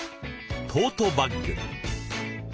トートバッグ。